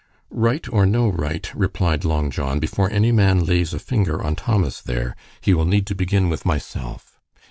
"Right or no right," replied Long John, "before any man lays a finger on Thomas there, he will need to begin with myself.